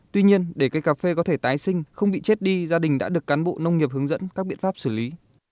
tuy nhiên để cây cà phê có thể tái sinh không bị chết đi gia đình đã được cán bộ nông nghiệp hướng dẫn các biện pháp xử lý